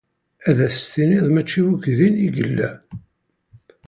Ad as-tiniḍ mačči akk din i yella.